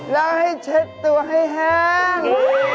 แล้วให้เช็ดตัวให้แห้ง